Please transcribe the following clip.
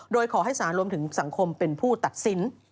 โดยขอให้สารรวมถึงสังคมเป็นผู้ตัดสิน